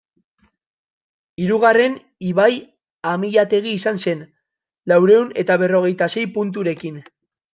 Hirugarren, Ibai Amillategi izan zen, laurehun eta berrogeita sei punturekin.